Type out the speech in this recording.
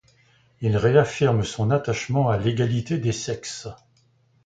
Il réaffirme son attachement à l'égalité des sexes.